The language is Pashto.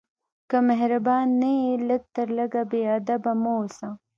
که مهربان نه یې، لږ تر لږه بېادبه مه اوسه.